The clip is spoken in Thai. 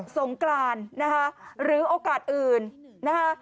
สงกรานนะคะหรือโอกาสอื่นนะคะ